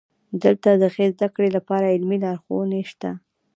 دلته د ښې زده کړې لپاره عملي لارښوونې شته.